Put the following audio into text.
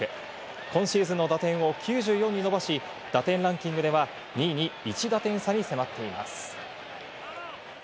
今シーズンの打点を９４に伸ばし、打点ランキングでは２位に１打点差に迫っています。